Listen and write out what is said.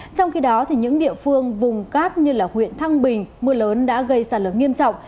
trong khi đó những địa phương vùng cát như huyện thăng bình mưa lớn đã gây sạt lở nghiêm trọng